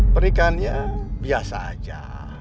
pernikahannya biasa aja